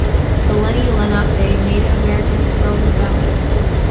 The Lenni Lenape Native Americans roamed the valley.